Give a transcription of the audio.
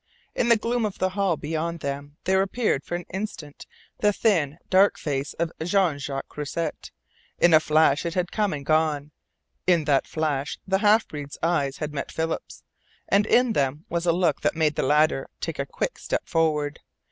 In the gloom of the hall beyond them there appeared for an instant the thin, dark face of Jean Jacques Croisset. In a flash it had come and gone. In that flash the half breed's eyes had met Philip's, and in them was a look that made the latter take a quick step forward.